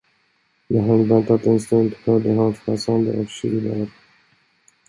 När han väntat en stund, hörde han frasandet av kjolar.